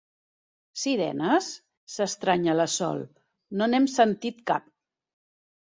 Sirenes? —s'estranya la Sol— No n'hem sentit cap.